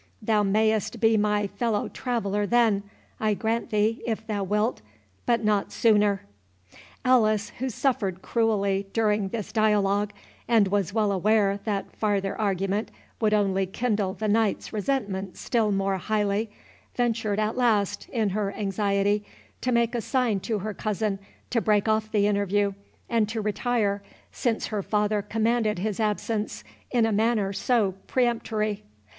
Thou mayst be my fellow traveller then, I grant thee, if thou wilt, but not sooner." Alice, who suffered cruelly during this dialogue, and was well aware that farther argument would only kindle the knight's resentment still more highly, ventured at last, in her anxiety, to make a sign to her cousin to break off the interview, and to retire, since her father commanded his absence in a manner so peremptory.